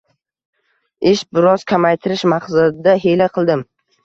Ish biroz kamaytirish maqsadida hiyla qildim.